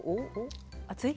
熱い？